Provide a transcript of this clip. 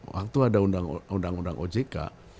waktu ada undang undang ojk